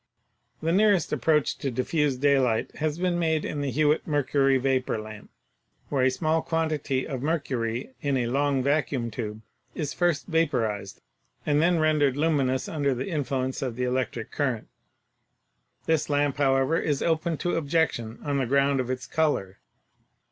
The nearest ap proach to diffused daylight has been made in the Hewitt mercury vapor lamp, where a small quantity of mercury in a long vacuum tube is first vaporized and then rendered luminous under the influence of the electric current. This lamp, however, is open to objection on the ground of its color.